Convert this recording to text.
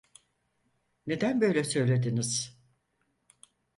Neden böyle söylediniz?